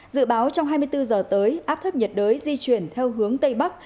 dự báo trong hai mươi bốn giờ tới áp thấp nhiệt đới di chuyển theo hướng tây bắc